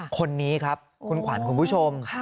คนนี้ครับคุณขวัญคุณผู้ชม